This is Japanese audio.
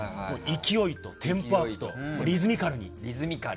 勢いとテンポアップとリズミカルに。